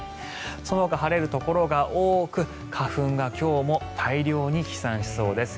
そのほか晴れるところが多く花粉が今日も大量に飛散しそうです。